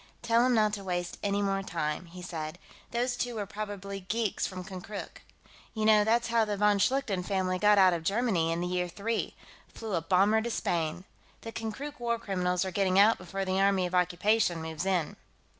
"Tell him not to waste any more time," he said. "Those two were probably geeks from Konkrook. You know, that's how the von Schlichten family got out of Germany, in the Year Three flew a bomber to Spain. The Konkrook war criminals are getting out before the Army of Occupation moves in."